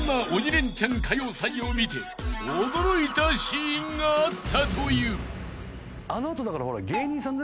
レンチャン歌謡祭を見て驚いたシーンがあったという］